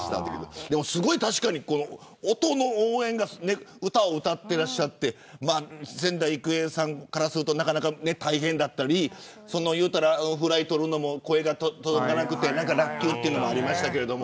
確かに音の応援が歌を歌っていらっしゃって仙台育英からすると大変だったりフライを捕るのも声が届かなくて落球というのがありましたけど。